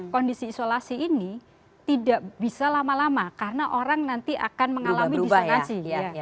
kondisi isolasi ini tidak bisa lama lama karena orang nanti akan mengalami disinasi